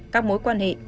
các mối quan hệ